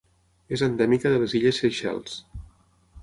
És endèmica de les illes Seychelles.